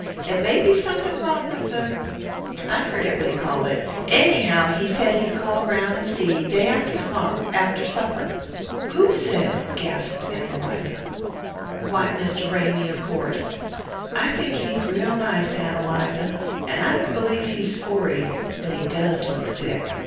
"It may be something wrong with the I forget what he called it. Anyhow, he said he'd call round and see, day after to morrow, after supper." "Who said?" gasped Ann Eliza. "Why, Mr. Ramy, of course. I think he's real nice, Ann Eliza. And I don't believe he's forty; but he DOES look sick.